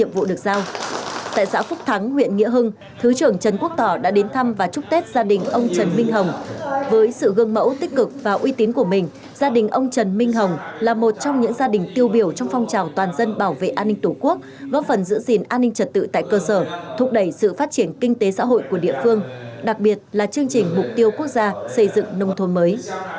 bởi sự gương mẫu tích cực và uy tín của mình gia đình ông trần minh hồng là một trong những gia đình tiêu biểu trong phong trào toàn dân bảo vệ an ninh tổ quốc góp phần giữ gìn an ninh trật tự tại cơ sở thúc đẩy sự phát triển kinh tế xã hội của địa phương đặc biệt là chương trình mục tiêu quốc gia xây dựng nông thôn mới